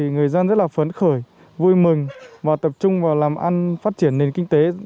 người dân rất là phấn khởi vui mừng và tập trung vào làm ăn phát triển nền kinh tế